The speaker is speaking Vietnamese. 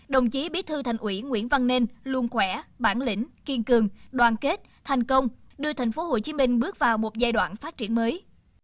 đồng chí bí thư thành ủy nguyễn văn nên luôn khỏe bản lĩnh kiên cường đoàn kết thành công đưa tp hcm bước vào một giai đoạn phát triển mới